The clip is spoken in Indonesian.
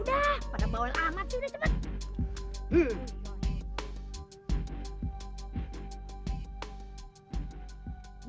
udah pada bawel amat sih udah cepet